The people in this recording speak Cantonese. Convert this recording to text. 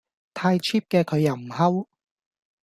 太 Cheap 嘅佢又唔吼